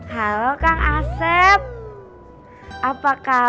yang lolys puses itu daya